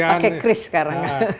pakai kris sekarang